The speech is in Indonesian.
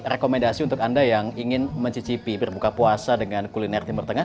rekomendasi untuk anda yang ingin mencicipi berbuka puasa dengan kuliner timur tengah